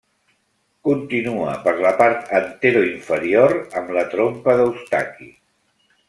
Continua per la part anteroinferior amb la trompa d'Eustaqui.